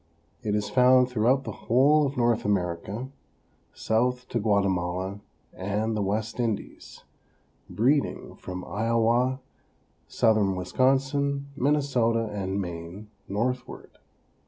It is found throughout the whole of North America, south to Guatemala and the West Indies; breeding from Iowa, southern Wisconsin, Minnesota and Maine northward.